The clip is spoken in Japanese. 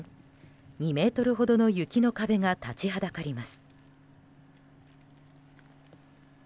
２ｍほどの雪の壁が立ちはだかります。